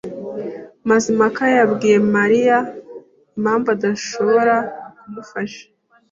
Mazimpaka yabwiye Mariya impamvu adashobora kumufasha?